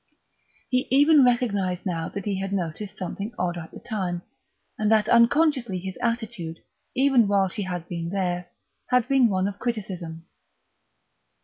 He even recognised now that he had noticed something odd at the time, and that unconsciously his attitude, even while she had been there, had been one of criticism.